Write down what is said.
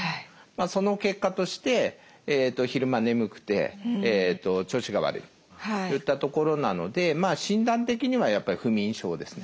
その結果として昼間眠くて調子が悪い。といったところなので診断的にはやっぱり不眠症ですね。